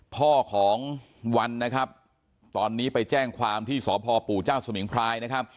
พ่อของวันตอนนี้ไปแจ้งความที่สพปู่จสมิงพลาย